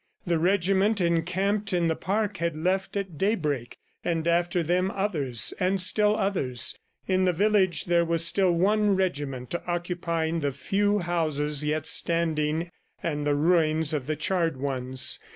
The regiment encamped in the park had left at daybreak, and after them others, and still others. In the village there was still one regiment occupying the few houses yet standing and the ruins of the charred ones.